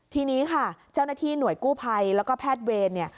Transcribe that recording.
ทีนี้ค่ะเจ้าหน้าที่หน่วยกู้ภัยแล้วก็แพทย์เวรเนี่ย